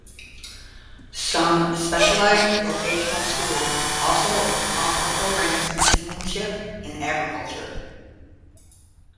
Some specialized vocational schools also offer programs in seamanship and agriculture.